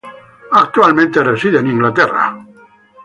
Actualmente reside en Inglaterra.